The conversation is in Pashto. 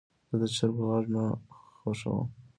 زه د چرګو غږ نه خوښوم.